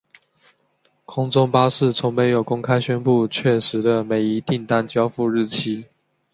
空中巴士从没有公开宣布确实的每一订单交付日期。